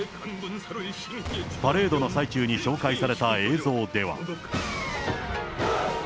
パレードの最中に紹介された映像では。